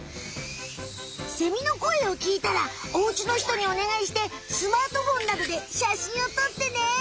セミのこえをきいたらおうちのひとにおねがいしてスマートフォンなどで写真を撮ってね。